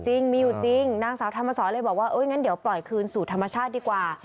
จริงมีอยู่จริงนางสาวธรรมสรเลยบอกว่างั้นเดี๋ยวปล่อยคืนสู่ธรรมชาติดีกว่า